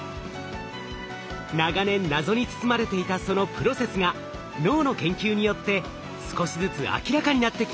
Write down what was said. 長年謎に包まれていたそのプロセスが脳の研究によって少しずつ明らかになってきました。